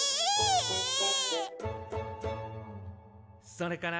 「それから」